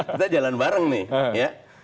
kita jalan bareng nih